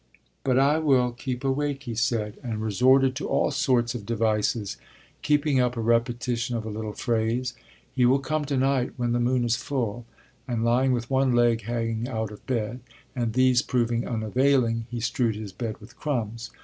But I will keep awake, he said, and resorted to all sorts of devices, keeping up a repetition of a little phrase: he will come to night when the moon is full; and lying with one leg hanging out of bed; and these proving unavailing he strewed his bed with crumbs.